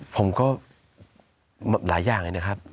ผมก็หลายอย่างเลยนะครับ